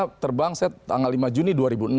ya pernah terbang saya tanggal lima juni dua ribu enam